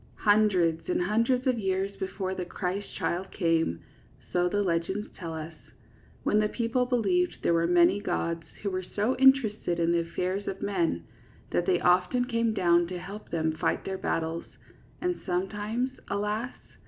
Hundreds and hundreds of years before the Christ child came — so the legends tell us — ^when the people believed there were many gods who were so interested in the affairs of men that they often came down to help them fight their battles, and sometimes, alas!